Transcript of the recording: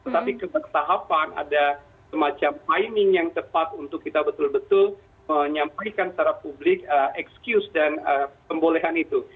tetapi ketahapan ada semacam timing yang tepat untuk kita betul betul menyampaikan secara publik excuse dan pembolehan itu